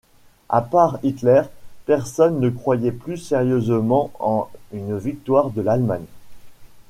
À part Hitler, personne ne croyait plus sérieusement en une victoire de l'Allemagne.